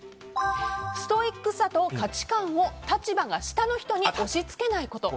ストイックさと価値観を立場が下の人に押し付けないこと。